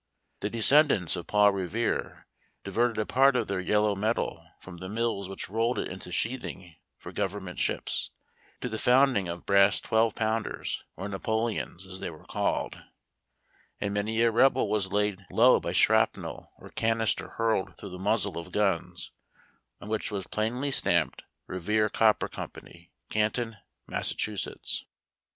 The descen dants of Paul Revere diverted a part of their yellow metal from the mills which rolled it into sheathing for govern ment ships, to the founding of brass twelve pounders, or Napoleons, as they were called ; and many a Rebel was laid low by shrapnel or canister hurled through the muzzle of guns on which was plainly stamped "Revere Copper Co., Canton, Mass."